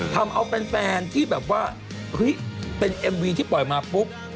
ทำเอาแฟนที่แบบว่าเฮ้ยเป็นเอ็มวีที่ปล่อยมาปุ๊บ